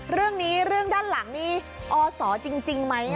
เรื่องนี้เรื่องด้านหลังนี่อศจริงไหม